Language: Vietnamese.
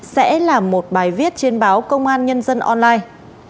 sẽ là một bài viết trên báo công an nhân dân online